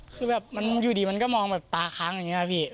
คืออยู่ดีมันก็มองตาค้างอย่างนี้ครับพี่